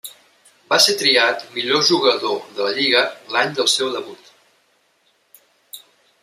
Va ser triat millor jugador de la lliga l'any del seu debut.